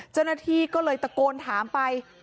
เจ้าหน้าที่ก็เลยตะโกนถามไป